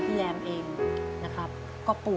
ว้าว